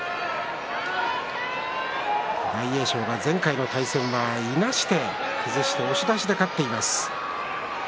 大栄翔が前回の対戦はいなして崩して押し出しで勝っています。